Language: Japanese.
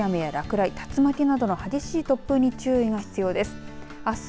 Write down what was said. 激しい雨や落雷竜巻などの激しい突風に注意が必要です。